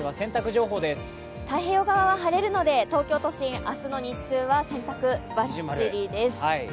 太平洋側は晴れるので東京都心、明日の日中は洗濯バッチリです。